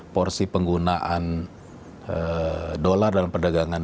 porsi penggunaan dolar dalam perdagangan